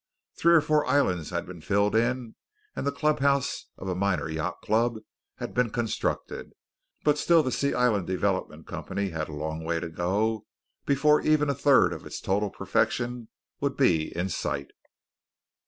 Three or four islands had been filled in and the club house of a minor yacht club had been constructed, but still the Sea Island Development Company had a long way to go before even a third of its total perfection would be in sight.